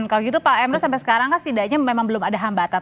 kalau gitu pak emro sampai sekarang kan setidaknya memang belum ada hambatan